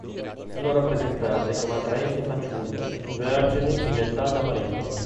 Sono rappresentate come attraenti fanciulle, vergini in età da marito.